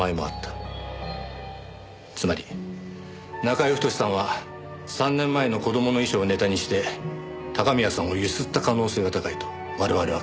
つまり中居太さんは３年前の子供の遺書をネタにして高宮さんを強請った可能性が高いと我々は考えています。